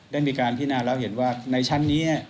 ได้มีการพินาแล้วเห็นว่าในชั้นนี้